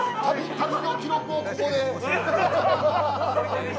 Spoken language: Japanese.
旅の記録をここで。